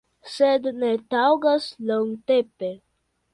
Sed ne taŭgas longtempe.